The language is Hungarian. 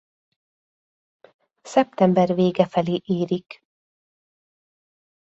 Szeptember vége felé érik.